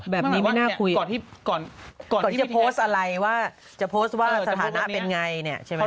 แบบนี้ไม่น่าคุยจะโพสอะไรว่าจะโพสว่าสถานะเป็นอย่างไรใช่ไหมครับ